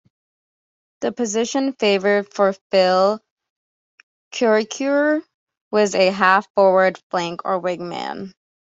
The position favoured for Phil Krakouer was as a half forward flank or wingman.